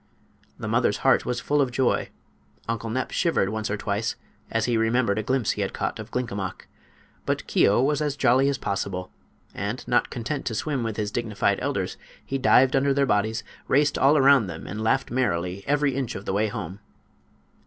The mother's heart was full of joy; Uncle Nep shivered once or twice as he remembered a glimpse he had caught of Glinkomok; but Keo was as jolly as possible, and, not content to swim with his dignified elders, he dived under their bodies, raced all around them and laughed merrily every inch of the way home.